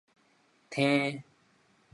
䖙